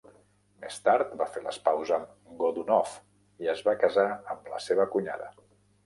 Més tard, va fer les paus amb Godunov i es va casar amb la seva cunyada.